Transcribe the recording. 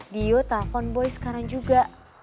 dio telepon boy sekarang juga